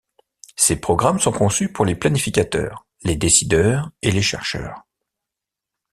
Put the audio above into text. Ses programmes sont conçus pour les planificateurs, les décideurs et les chercheurs.